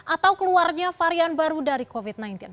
atau keluarnya varian baru dari covid sembilan belas